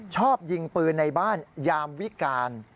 ชอบยิงปืนในบ้านยามวิการ